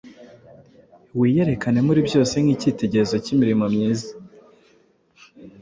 wiyerekane muri byose nk’ikitegererezo cy’imirimo myiza,